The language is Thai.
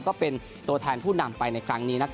ก็เป็นตัวแทนผู้นำไปในครั้งนี้